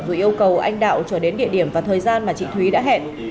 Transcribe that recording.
rồi yêu cầu anh đạo trở đến địa điểm và thời gian mà chị thúy đã hẹn